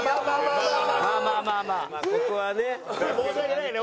申し訳ないね